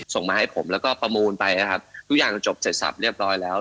ส่งมาให้ผมแล้วก็ประมูลไปนะครับทุกอย่างจะจบเสร็จสับเรียบร้อยแล้ว